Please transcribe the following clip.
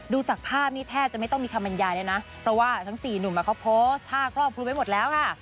จากภาพนี้แทบจะไม่ต้องมีคำบรรยายเลยนะเพราะว่าทั้งสี่หนุ่มเขาโพสต์ภาพครอบคลุมไว้หมดแล้วค่ะ